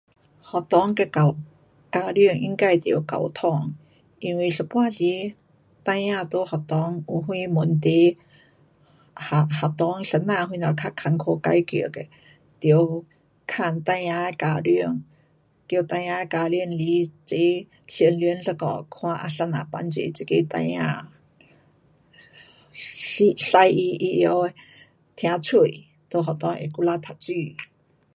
学校跟教，家长应该得沟通。因为有半时孩儿在学堂有啥问题，学学堂老师什么较困苦解决的得问孩儿的家长，叫孩儿的家长来齐商量一下看啊怎么帮助这个孩儿，使，使他会呃听嘴，在学堂会努力读书。